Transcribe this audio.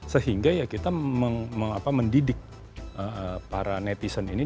sehingga ya kita mendidik para netizen ini